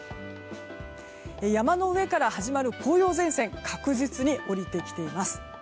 山の上から始まる紅葉前線確実に下りてきています。